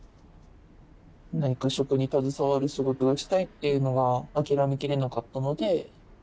何か食に携わる仕事がしたいっていうのが諦めきれなかったので。